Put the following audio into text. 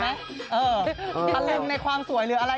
งงนะอะไรในความสวยหรืออะไร